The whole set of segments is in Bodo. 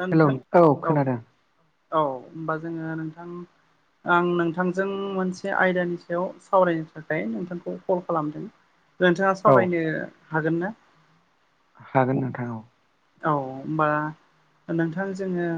हो हेलौ नोंथां औ औ खोनादों होनोमबा जोङो नोंथां आं नोंथांजों मोनसे आयदानि सायाव सावरायनो थाखाय नोंथांखौ कल खालामदों। नोंथाङा औ सावरायनो हागोन ना? हागोन नोंथां औ। औ होमबा नोंथां जोङो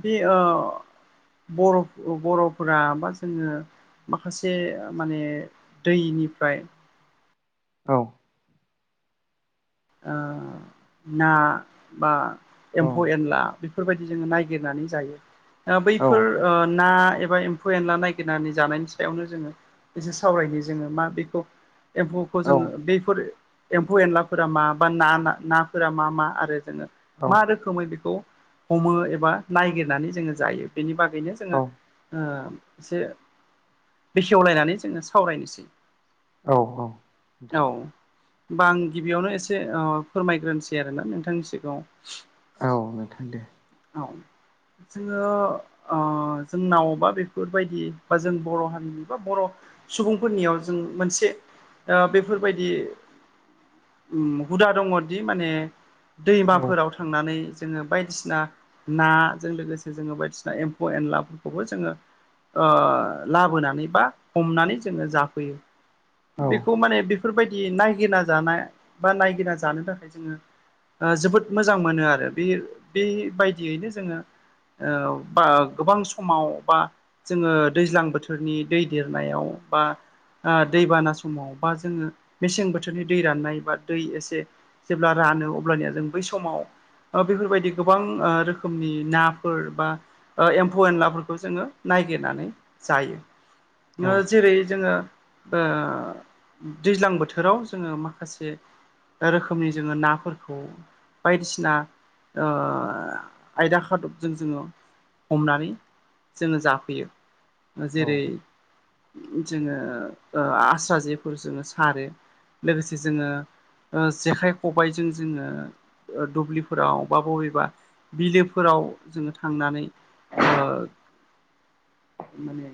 बे ओ बर' बर'फोरा बा जोङो माखासे माने दैनिफ्राय औ ओ ना बा औ एम्फौ एनला बेफोरबायदि जोङो नायगिरनानै जायो। ओ औ बैफोर ओ ना एबा फौ एनला नायगिरनानै जानायनि सायावनो जोङो एसे सावरायनि जोङो मा बेखौ एम्फौखौ औ जोङो बैफोर एम्फौ एनला फोर मा बा ना नाफोरा मा मा आरो जोङो मा रोखोम रोै बेखौ हमो एबा नायागिरनानै जोङो जायो बेनि बा बेनो ओ जोङो औ एसे बेखेवलायनानै जोङो सावरायनोसै। औ औ औ नोंथां बा आं गिबियावनो एसे फोरमायग्रोनसै आरोना नोंथांनि सिगाङाव औ नोंथां दे। औ जोङो ओ जोंनावबा बेफोरबायदि बा जों बर' हारिनि बा बर' सुबुंफोरनियाव जों मोनसे आ बेफोरबायदि हुदा दङदि माने औ दैमाफोराव थांनानै जोङो बायदिसिना नाजों लोगोसे जोङो बायदिसिना एम्फौ एनलाफोरखौबो जोङो लाबोनानै बा हमनानै जोङो जाफैयो। औ बेखौ माने बेफोरबायदि नायगिना जानाय बा नायगिना जानो थाखाय जोङो ओ जोबोद मोजां मोनो आरो बे बेबायदियैनो जोङो ओ बा गोबां समाव बा जोङो दैज्लां बोथोरनि दै देरनायाव बा ओ दैबाना समाव बा जोङो मेसें बोथोरनि दै राननाय बा दै एसे जेब्ला रानो अब्लानिया जों बै समाव बेफोरबायदि गोबां रो खोमनि नाफोर बा एम्फौ एनलाफोरखौ जोङो नायगिरनानै जायो। औ जेरै जोङो ओ दैज्लां बोथोराव जोङो माखासे रोखोमनि जोङो नाफोरखौ बायदिसिना ओ आयदा खादबजों जोङो हमनानै जोङो जाफैयो। औ जेरै जोङो ओ आस्रा जेफोर जोङो सारो। लोगोसे जोङो जेखाइ खबाइजों जोङो दुब्लिफोराव बा बबेबा बिलोफोराव जोङो थांनानै ओ माने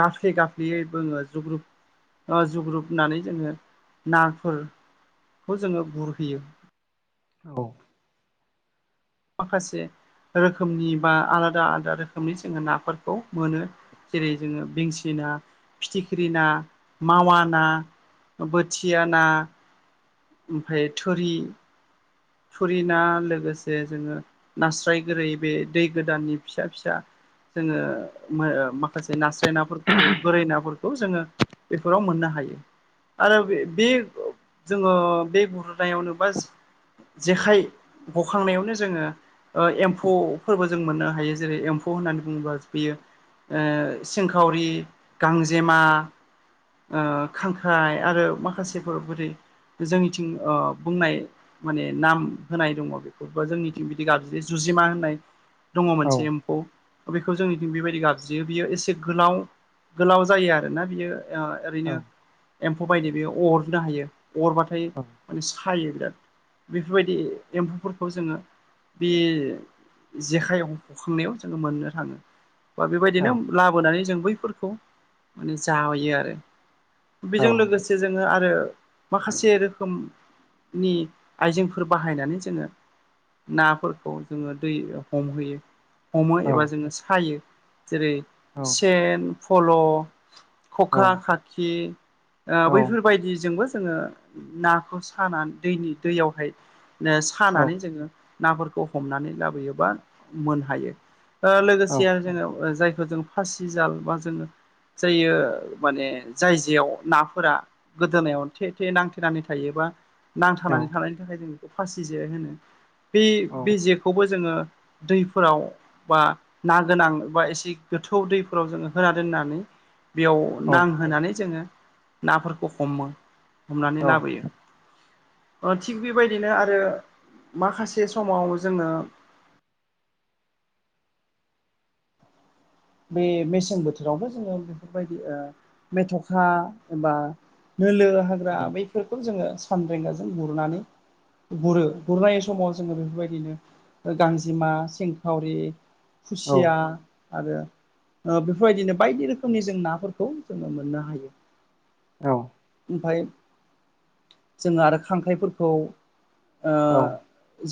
गाफ्ले गाफ्लेयै बोङो जुग्रुब ओ जुग्रुुबनानै जोङो नाफोर खौ जोङो गुरहैयो। औ। माखासे रोखोमनि बा आलादा आलादा रोखोमनि जोङो नाफोरखौ मोनो। जेरै जोङो बेंसि ना फिथिख्रि ना मावा ना बोथिया ना ओमफ्राय थोरि थुरि ना लोगोसे जोङो नास्राय गोरै बे दै गोदाननि फिसा फिसा जोङो माखासे नास्राय नाफोरखौ गोरै नाफोरखौ जोङो बेफोराव मोननो हायो आरो बे बे जोङो बे गुरनायावनो बा जेखाइ हखांनायावनो जोङो ओ एम्फौफोरबो जों मोननो हायो जेरै एम्फौ होननानै बुङोबा बेयो ओ सेंखावरि गांजेमा ओ खांख्राइ आरो माखासेफोर बोरै जोंनिथिं ओ बुंनाय माने नाम होनाय दङ बेखौबो जोंनिथिं बिदि गाब्रि जुजिमा होननाय दङ औ मोनसे एम्फौ बेखौ जोंनिथिं बेबायदि गाबज्रियो बियो एसे गोलाव गोलाव जायो आरोना बियो ओ औ ओरैनो एम्फौ बायदि बेयो अरनो हायो अरबाथाय औ औ माने सायो बिराद। बेफोरबायदि एम्फौफोरखौ जोङो बे जेखाइ हखांनायाव जोङो मोननो थाङो। बा बेबायदिनो औ लाबोनानै जों बैफोरखौ माने जायो आरो। बेजों लोगोसे जोङो आरो माखासे रोखोम नि आइजेंफोर बाहायनानै जोङो नाफोरखौ जोङो दै हमहोयो। हमो एबा जोङो सायो जेरै सेन फल' खखा खाखि ओ बैफोरबायदिजोंबो जोङो नाखौ सानानै दैनि दैयावहाय खानानै जोङो नाफोरखौ हमनानै लाबोयो बा मोनहायो। ओ लोगोसे जोङो जायखौ जों फासि जाल बा जोङो जायो माने जाय जेआव नाफोरा गोदोनायाव थे थे नांथेनानै थायोबा नांथानानै थानायनि थाखाय जों बेखौ फासि जे होनो। बे बे जेखौबो जोङो दैफोराव बा ना गोनां बा एसे गोथौ दैफोराव जोङो होना दोननानै बेयाव नांहोनानै जोङो नाफोरखौ हमो हमनानै लाबोयो। ओ थिग बेबायदिनो आरो माखासे समाव जोङो मे-मेसें बोथोरावबो जोङो बेफोरबायदि ओ मेथ'खा एबा नोलो हाग्रा बैफोरखौ जोङो सानदेंगाजों गुरनानै गुरो गुरनाय समाव जोङो बेफोरबायदिनो गांजेमा सेंखावरि खुसिया आरो ओ बेफोरबायदिनो बायदि रोखोमनि जों नाफोरखौ जोङो मोननो हायो। औ ओमफाय जों आरो खांख्राइफोरखौ ओ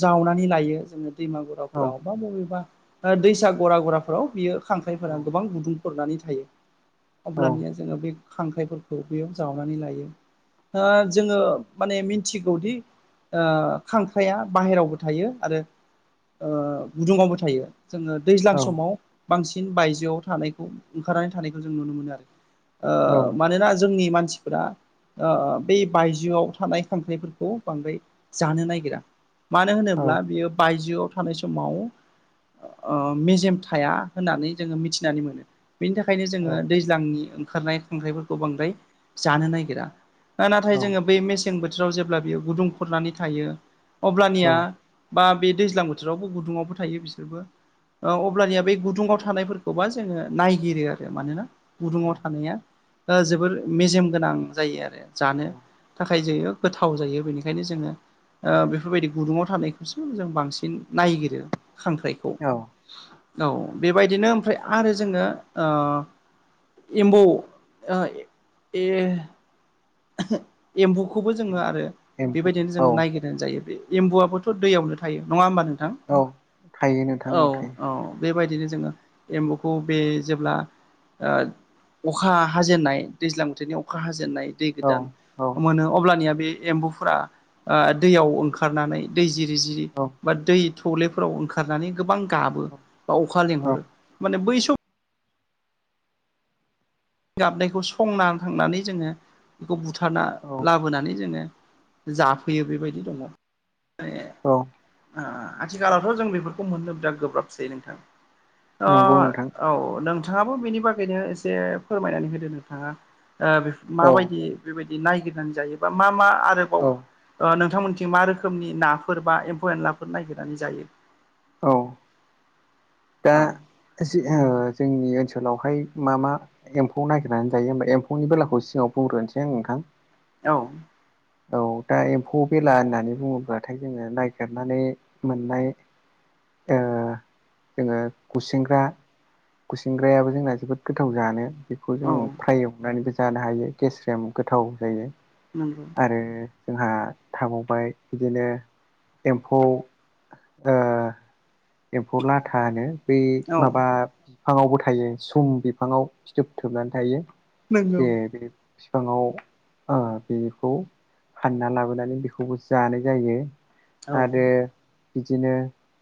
जावनानै लायो जोङो दैमा गराफोराव बा बबेबा दैसा गरा गराफोराव बियो खांख्राइफोरा गोबां गुदुंफोरनानै थायो। अब्लानिया जोङो बे खांख्राइफोरखौ बेयाव जावनानै लायो जोङो माने मिथिगौदि ओ खांख्राइआ बाहेरायावबो थायो आरो ओ गुदुङावबो थायो। जोङो दैज्लां समाव बांसिन बायजोआव थानायखौ ओंखारनानै थानायखौ जों नुनो मोनो आरो मानोना जोंनि मानसिफोरा बे बायजोआव थानाय खांख्राइफोरखौ बांद्राय जानो नागिरा। मानो होनोब्ला बियो बायजोआव थानाय समाव मेजेम थाया होननानै जोङो मिथिनानै मोनो। बेनि थाखायनो जोङो दैज्लांनि ओंखारनाय खांख्राइफोरखौ बांद्राय जानो नागिरा नाथाय जोङो बै मेसें बोथोराव जेब्ला बेयो गुदुं खरनानै थायो अब्लानिया बा बे दैज्लां बोथोरावबो गुदुङावबो थायो बिसोरबो अब्लानिया बे गुद गुदुङाव थानायफोरखौबा जोङो नायगिरो आरो मानोना गुदुङाव थानाया जोबोर मेजेम गोनां जायो आरो जानो थाखाय जोङ गोथाव जायो बेनिखायनो जोङो औ बेफोरबायदि गुदुङाव थानायखौसो जों बांसिन नायगिरो खांख्राइखौ औ औ बेबायदिनो ओमफ्राय आरो जोङो एम्बौ ओ ए एम्फुखौबो जोङो आरो एम्फौ बेबायदिनो औ जोङो नायगिर जायो बे एम्बुआबोथ' दैयावनो थायो नङा हबा नोंथां औ थायो नोंथां औ थायो औ बेबायदिनो जोङो एम्बुखौ बे जेब्ला ओ अखा हाजेननाय दैज्लां बोथोरनि अखा हाजेननाय दै औ दा औ मोनो अब्लानिया बे एम्बुफोरा ओ दैयाव ओंखारनानै दैजि दै जिरि औ बा दै थौलेफोराव ओंखारनानै गोबां गाबो बा अखा औ लेंहरो। माने बै स गाबनायखौ संना थांनानै जोङो बेखौ बुथारना औ लाबोनानै जोङो जाफैयो बेबायदि दङ मे औ आथिखालावथ' जों बेफोरखौ मोननो बिराद गोब्राबसै नोंथां अ नंगौ नोंथां ओ औ नों नोंथाङाबो बेनि बागैनो एसे फोरमायनानै होदो नोंथाङा औ माबायदि बेबायदि नायगिरनानै जायोबा मा मा आरो औ नोंथांमोनथिं मा रोखोमनि नाफोर बा एम्फौ एनलाफोर नायगिरनानै जायो औ दा औ जोंनि ओनसोलावहाय मा मा एम्फौ नागिरनानै जायो ओमफाय एम्फौनि बेलाखौ सिङाव बुंग्रोनोसै आं नोंथां औ औ दा एम्फौ बेला होननानै बुङोब्लाथाय जोङो नागिरनानै मोननाय ओ जोङो गुसेंग्रा गुसिंग्रायाबो जोंना जोबोद गोथाव जानो बेखौ जों औ फ्राय एवनानैबो जानो हायो गेसरेम गोथाव जायो उम आरो जोंहा थाबावबाय बिदिनो एम्फौ ओ एम्फौ लाथा होनो बै औ माबा फाङावबो थायो सम बिफाङाव फिथोब थोबनानै थायो नंगौ जे बे बिफाङाव ओ बेखौ हानना लाबोनानै बेखौबो जानाय जायो। औ आरो बिदिनो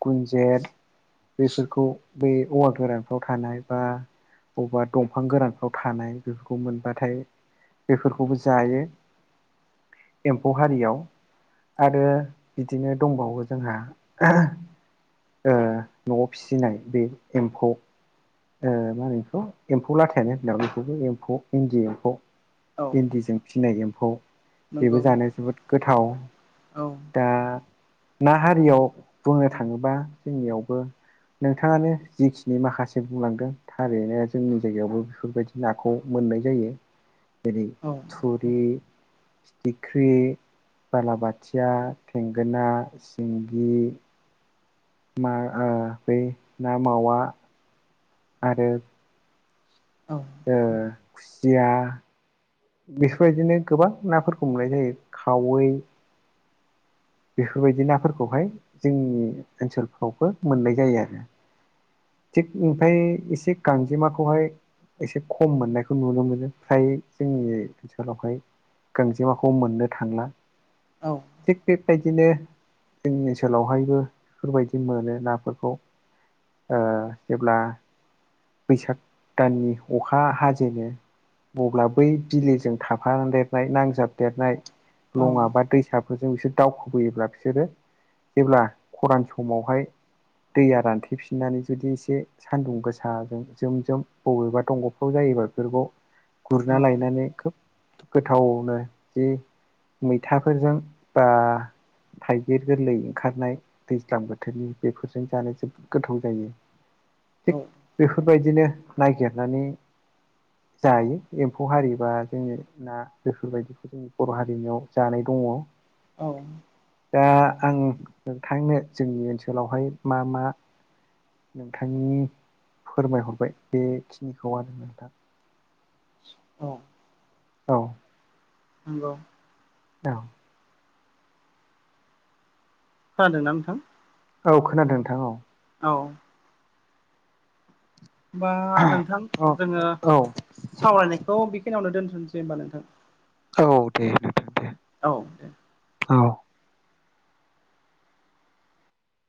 गुनजेत बेफोरखौ बै औवा गोरानफ्राव थानाय बा अबावबा दंफां गोरानफ्राव थानाय बेफोरखौ मोनबाथाय बेफोरखौबो जायो एम्फौ हारियाव। आरो बिदिनो दंबावो जोंहा ओ न'आव फिसिनाय बे एम्फौ ओ मा होनो बेखौ एम्फौ लाथायानो होनो नामा बेखौबो एम्फौ इन्दि एम्फौ। औ इन्दिजों फिनाय एम्फौ बेबो नंगौ जानो जोबोद गोथाव। औ दा ना हारियाव बुंनो थाङोबा जोंनियावबो नोंथाङानो जिखिनि माखा से बुंलांदों थारैनो जोंनि जायगायावबो बेफोरबायदि नाखौ मोननाय जायो‌ जेरै औ थुरि थिख्रि बालाबाथिया थेंगोना सिंगि मा आ बै ना मावा आरो औ ओ खुसिया बेफोरबायदिनो गोबां नाफोरखौ मोननाय जायो खावै। बेफोरबायदि नाफोरखौहाय जोंनि ओनसोलफ्रावबो मोननाय जायो आरो थिग ओमफाय एसे गांजेमाखौहाय एसे खम मोननायखौ नुनो मोनो फ्राय जोंनि ओनसोलावहाय। गांजेमाखौ मोननो थांला औ थिग बेबायदिनो जोंनि ओनसोलावहायबो बेफोरबायदि मोनो नाफोरखौ ओ जेब्ला बैसाग दाननि अखा हाजेनो अब्ला बै बिलोजों थाफाना देरनाय नांजाबदेरनाय औ लङा बा दैसा बेफोरजों बिसोर दावखोबोयोब्ला बिसोरो जेब्ला खरान समावहाय दैया रानथेफिननानै जुदि एसे सानदुं गोसाजों जोम जोम बबेबा दंग'फ्राव जायोबा बेफोरखौ गुरना लायनानै खोब गोथावनो जि मैथाफोरजों बा थाइगिर गोरलै ओंखारनाय दैज्लां बोथोरनि बेफोरजों जानो जायो गोथाव जायो औ थिग बेफोरबायदिनो नागिरनानै जायो एम्फौ हारिबा जोंनि ना बेफोर बायदिखौ। जोंनि बर' हारिनियाव जानाय दङ। औ दा आं नोंथांनो जोंनि ओनसोलावहाय मा मा नोंथांनि फोरमायहरबाय बेखिनिखौ आरो नोंथां। औ औ नंगौ औ खोनादों ना नोंथां? औ खोनादों नोंथां औ औ होमबा नोंथां जोङो औ औ सावरायनायखौ बेखिनियावनो दोनथ'नोसै होमबा नोंथां। औ दे दे दे। औ दे। औ